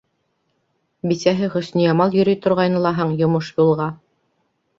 Бисәһе Хөсниямал йөрөй торғайны лаһаң йомош-юлға?